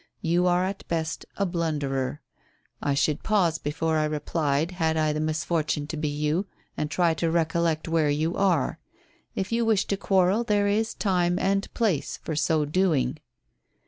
You are at best a blunderer. I should pause before I replied had I the misfortune to be you, and try to recollect where you are. If you wish to quarrel there is time and place for so doing."